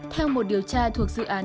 theo một điều tra thuộc dự án